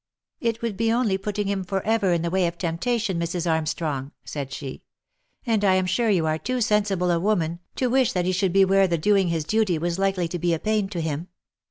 " It would be only putting him for ever in the way of temptation, Mrs. Armstrong," said she ;" and I am sure you are too sensible a woman, to wish that he should be where the doing his duty was likely to be a pain to him."